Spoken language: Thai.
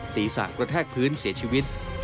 ศีรษะกระแทกพื้นเสียชีวิต